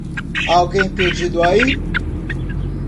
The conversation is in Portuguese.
Há alguém perdido aí?